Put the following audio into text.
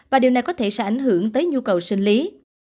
và điều này có thể sẽ ảnh hưởng tới nhu cầu sinh lý